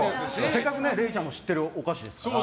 せっかく、れいちゃんも知ってるお菓子ですから。